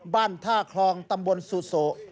บ้านท่าคลองตำบลสุโส